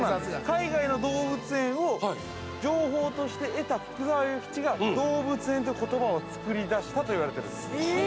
海外の動物園を情報として得た福沢諭吉が動物園という言葉を作り出したと言われているんです。